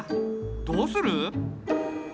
どうする？